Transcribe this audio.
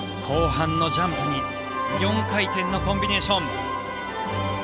後半のジャンプに４回転のコンビネーション。